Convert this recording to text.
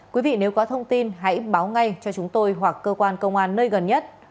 quý vị nếu có thông tin hãy báo ngay cho chúng tôi hoặc cơ quan công an nơi gần nhất